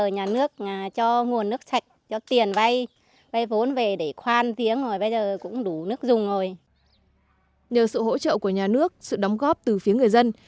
nhờ sự hỗ trợ của nhà nước sự đóng góp từ phía người dân